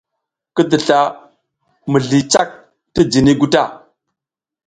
Ki tisla mizli cak ti jiniy gu ta.